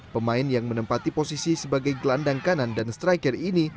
pemain yang menempati posisi sebagai gelandang kanan dan striker ini